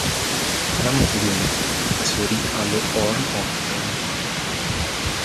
L'anno seguente, si trasferì allo Ørn-Horten.